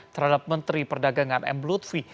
terhadap menteri perdagangan m lutfi